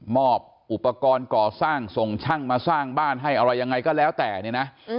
อบอุปกรณ์ก่อสร้างส่งช่างมาสร้างบ้านให้อะไรยังไงก็แล้วแต่เนี่ยนะ